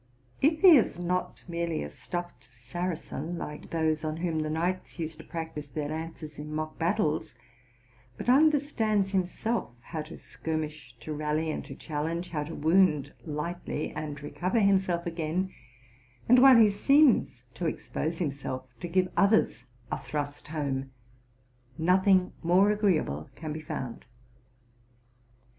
If he is not merely a stuffed Saracen, like those on whom the knights used to practise their lances in mock battles, but understands himself how to skirmish, to rally, and to challenge, how to wound lightly, and recover himself again, and, while he seems to expose himself, to give others a thrust home, nothing more agreeable can be found.